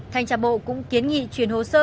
thanh tra bộ cũng kiến nghị chuyển hồ sơ